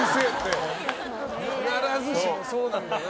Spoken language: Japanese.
必ずしもそうなんだよな。